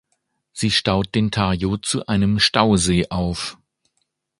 Sie staut den Tajo zu einem Stausee auf.